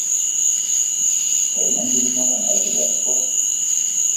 Erinnern Sie sich noch an alte Werbespots?